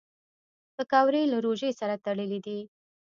پکورې له روژې سره تړلي دي